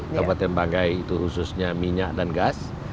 tempat yang banggai itu khususnya minyak dan gas